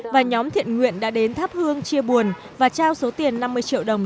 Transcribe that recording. và nhóm thiện nguyện đã đến thắp hương chia buồn và trao số tiền năm mươi triệu đồng